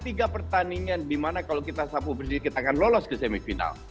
tiga pertandingan di mana kalau kita sapu bersih kita akan lolos ke semifinal